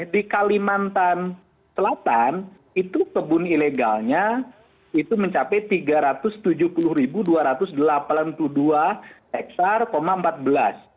di kalimantan selatan itu kebun ilegalnya itu mencapai tiga ratus tujuh puluh dua ratus delapan puluh dua hektare empat belas